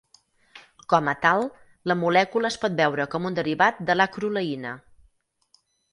Com a tal, la molècula es pot veure com un derivat de l'acroleïna.